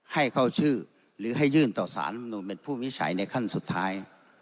ให้เข้าชื่อหรือให้ยื่นต่อสารลำนูนเป็นผู้วิจัยในขั้นสุดท้าย